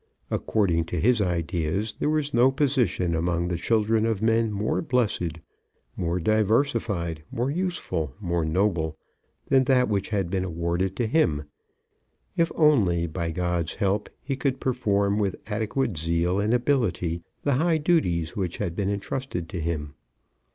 According to his ideas there was no position among the children of men more blessed, more diversified, more useful, more noble, than that which had been awarded to him, if only, by God's help, he could perform with adequate zeal and ability the high duties which had been entrusted to him.